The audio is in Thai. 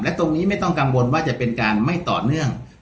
และตรงนี้ไม่ต้องกังวลว่าจะเป็นการไม่ต่อเนื่อง